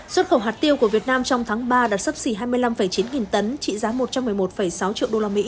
xuất khẩu hạt tiêu của việt nam trong tháng ba đạt sấp xỉ hai mươi năm chín nghìn tấn trị giá một trăm một mươi một sáu triệu usd